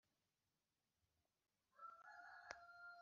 Ubu uri uwayo kuko yakuguze